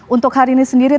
untuk hari ini sendiri